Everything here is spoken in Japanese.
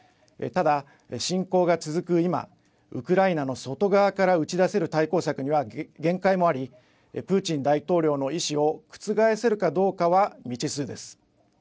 ただ侵攻が続く今ウクライナの外側から打ち出せる対抗策には限界もありプーチン大統領の意志を覆せるかどうかは未知数です。